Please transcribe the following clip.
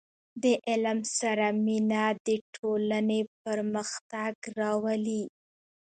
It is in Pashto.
• د علم سره مینه، د ټولنې پرمختګ راولي.